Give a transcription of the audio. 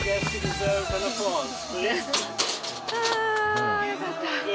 あよかった。